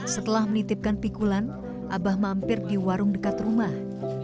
setelah menitipkan pikulan abah mampir di warung dekat rumah